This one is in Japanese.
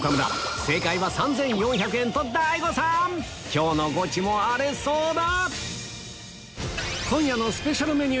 今日のゴチも荒れそうだ！